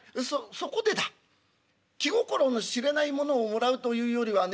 そこでだ気心の知れない者をもらうというよりはね